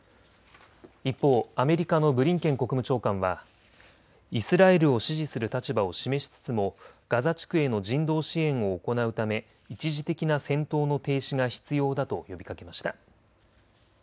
一方、アメリカのブリンケン国務長官はイスラエルを支持する立場を示しつつもガザ地区への人道支援を行うため一時的な戦闘の停止が必要だと呼びかけました。